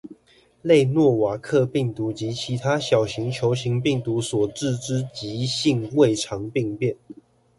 類諾瓦克病毒及其他小型球型病毒所致之急性胃腸病變